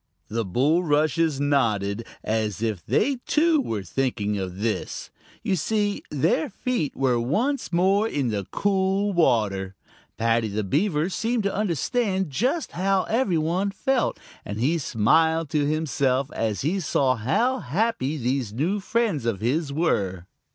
The bulrushes nodded, as if they too were thinking of this. You see their feet were once more in the cool water. Paddy the Beaver seemed to understand just how every one felt, and he smiled to himself as he saw how happy these new friends of his were.